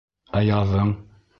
Ә яҙың?